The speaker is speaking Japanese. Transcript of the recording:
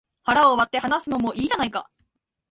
腹を割って話すのもいいじゃないか